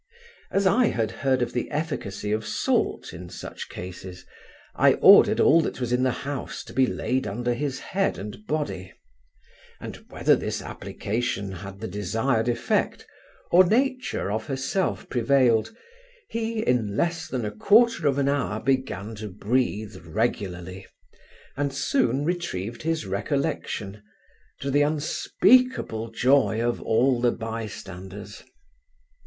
As I had heard of the efficacy of salt in such cases, I ordered all that was in the house to be laid under his head and body; and whether this application had the desired effect, or nature of herself prevailed, he, in less than a quarter of an hour, began to breathe regularly, and soon retrieved his recollection, to the unspeakable joy of all the by standers.